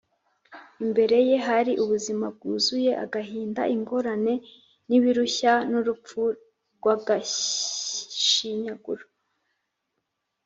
. Imbere ye hari ubuzima bwuzuye agahinda, ingorane, n’ibirushya, n’urupfu rw’agashinyaguro